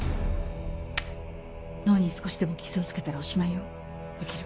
脳に少しでも傷をつけたらおしまいよできる？